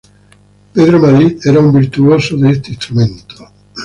Pedro Madrid era un virtuoso de este instrumento.